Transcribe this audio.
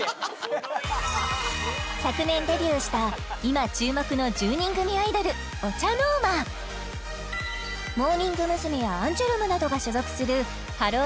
昨年デビューした今注目の１０人組アイドルモーニング娘。やアンジュルムなどが所属するハロー！